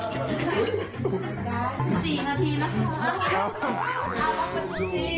๔นาทีแล้วครับ